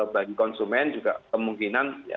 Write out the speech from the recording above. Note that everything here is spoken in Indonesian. bagi konsumen juga kemungkinan